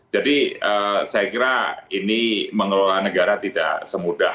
jadi saya kira ini mengelola negara tidak semudah